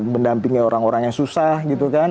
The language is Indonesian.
mendampingi orang orang yang susah gitu kan